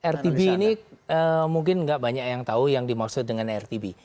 rtb ini mungkin nggak banyak yang tahu yang dimaksud dengan rtb